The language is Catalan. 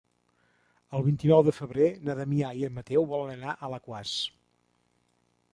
El vint-i-nou de febrer na Damià i en Mateu volen anar a Alaquàs.